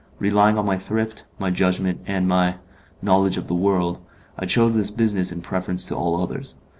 Relying on my thrift, my judgment, and my, knowledge of the world, I chose this business in preference to all others.